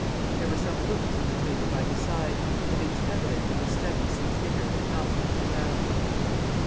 There were some books on the table by his side, but it was evident that his studies since dinner had not been profound.